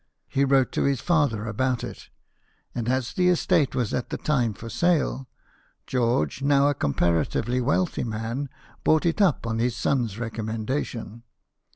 He wrote to his father about it, and as the estate was at the time for sale, George, now a com paratively wealthy man, bought it up on his son's recommendation.